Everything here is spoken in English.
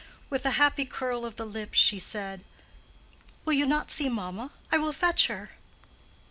With a happy curl of the lips, she said, "Will you not see mamma? I will fetch her."